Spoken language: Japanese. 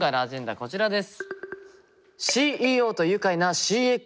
こちらです。